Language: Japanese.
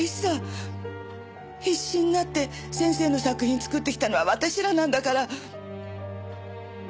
必死になって先生の作品作ってきたのは私らなんだから！